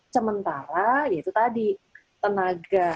sementara itu tadi tenaga